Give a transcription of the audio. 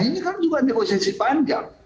ini kan juga negosiasi panjang